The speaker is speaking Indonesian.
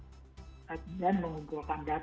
mereka ingin memberikan peran kepada masyarakat